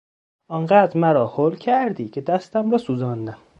آنقدر مرا هول کردی که دستم را سوزاندم!